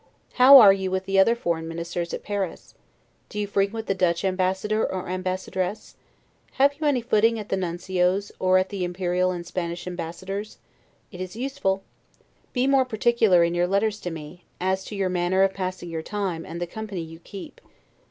How are you with the other foreign ministers at Paris? Do you frequent the Dutch Ambassador or Ambassadress? Have you any footing at the Nuncio's, or at the Imperial and Spanish ambassadors? It is useful. Be more particular in your letters to me, as to your manner of passing your time, and the company you keep.